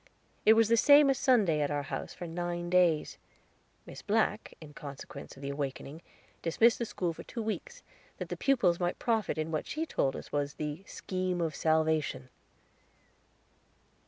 It was the same as Sunday at our house for nine days. Miss Black, in consequence of the awakening, dismissed the school for two weeks, that the pupils might profit in what she told us was The Scheme of Salvation.